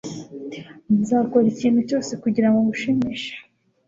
Nzakora ikintu cyose kugirango ngushimishe